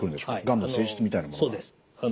がんの性質みたいなものは。